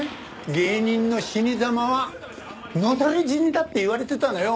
芸人の死にざまは野垂れ死にだっていわれてたのよ。